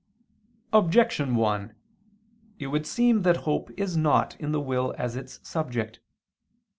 Objection 1: It would seem that hope is not in the will as its subject.